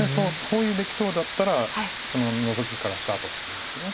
包囲できそうだったらそのノゾキからスタートするんですけど。